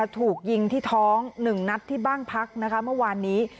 ถูกยิงที่ท้อง๑นัดที่บ้านพักนะคะเมื่อวานนี้